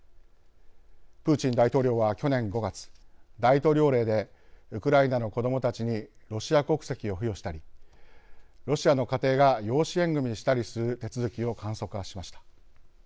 プーチン大統領は去年５月大統領令でウクライナの子どもたちにロシア国籍を付与したりロシアの家庭が養子縁組みしたりする手続きを簡素化しました。